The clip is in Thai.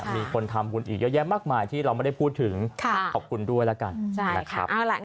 มีคนทำบุญอีกเยอะแยะมากมายที่เราไม่ได้พูดถึงขอบคุณด้วยแล้วกันนะครับ